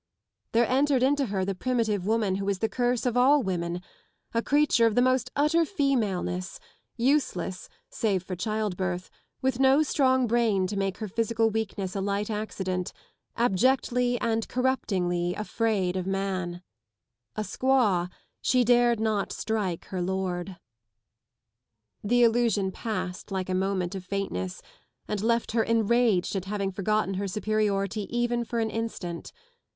There entered into her the primitive woman who is the curse of all women : a creature of the most utter femaleness, useless, save for childbirth, with no strong brain to make her physical weakness a light accident, abjectly and corruptingly afraid of man, A squaw, she dared not strike her lord. The illusion passed like a moment of faintness and left her enraged at having forgotten her superiority even for an instant.